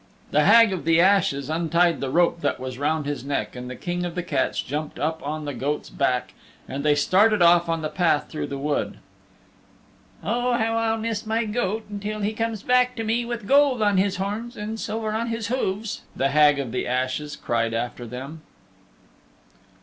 The Hag of the Ashes untied the rope that was round his neck, the King of the Cats jumped up on the goat's back, and they started off on the path through the wood. "Oh, how I'll miss my goat, until he comes back to me with gold on his horns and silver on his hooves," the Hag of the Ashes cried after them.